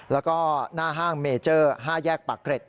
แล้วก็หน้าห้างเมเจอร์๕แยกปากเกร็ด